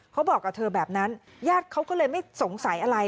เขาบอกกับเธอแบบนั้นญาติเขาก็เลยไม่สงสัยอะไร